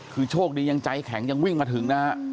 คือโชคดียังใจแข็งยังวิ่งมาถึงนะฮะ